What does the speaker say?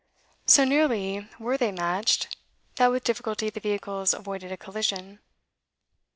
So nearly were they matched, that with difficulty the vehicles avoided a collision.